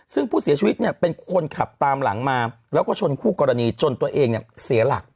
ซึ่งผู้เสียชีวิตเนี่ยเป็นคนขับตามหลังมาแล้วก็ชนคู่กรณีจนตัวเองเนี่ยเสียหลัก